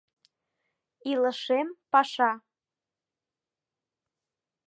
Илышем — паша.